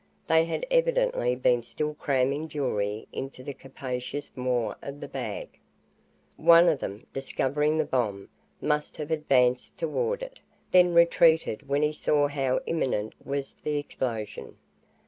They had evidently been still cramming jewelry into the capacious maw of the bag. One of them, discovering the bomb, must have advanced toward it, then retreated when he saw how imminent was the explosion.